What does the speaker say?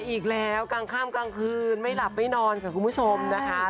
อีกแล้วกลางค่ำกลางคืนไม่หลับไม่นอนค่ะคุณผู้ชมนะคะ